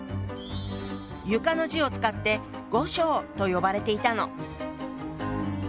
「床」の字を使って「御床」と呼ばれていたの。